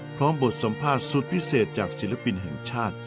บทสัมภาษณ์สุดพิเศษจากศิลปินแห่งชาติ